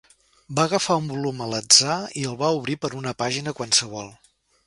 Va agafar un volum a l'atzar i el va obrir per una pàgina qualsevol.